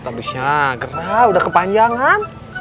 habisnya gerak udah kepanjang kan